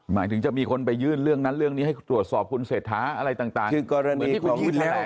หมายถึงจะมีคนไปยื่นเรื่องนั้นเรื่องนี้ให้ตรวจสอบคุณเศรษฐาอะไรต่าง